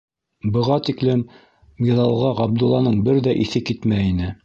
Быға тиклем миҙалға Ғабдулланың бер ҙә иҫе китмәй ине.